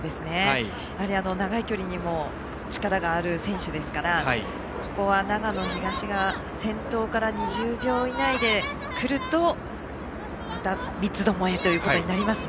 長い距離にも力がある選手ですからここは長野東が先頭から２０秒以内で来るとまた、三つどもえとなりますね。